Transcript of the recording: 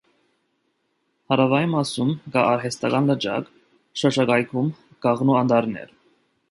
Հարավային մասում կա արհեստական լճակ, շրջակայքում՝ կաղնու անտառներ։